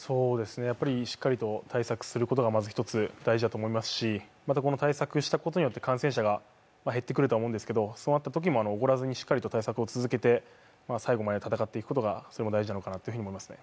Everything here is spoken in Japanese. しっかりと対策することがまず一つ大事だと思いますし、この対策したことによって、感染者が減ってくると思いますけどそうなったときも、おごらずにしっかりと対策を続けて最後まで戦っていくことがとても大事なのかなと思いますね。